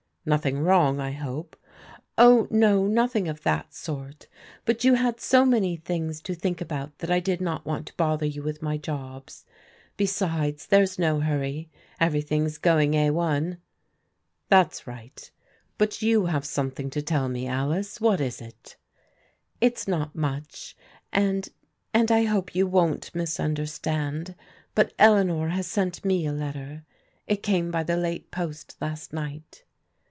" Nothing wrong, I hope ?" Oh, no, nothing of that sort, but you had so many things to think about that I did not want to bother you with my jobs. Besides, there's no hurry. Everything's going Ai. "That's right; but you have something to tell me, Alice. What is it?" " It's not much, and — ^and I hope you won't misunder stand. But Eleanor has sent me a letter. It came by the late post last night."